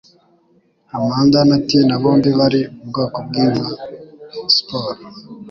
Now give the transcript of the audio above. Amanda na Tina bombi bari ubwoko bwinka, siporo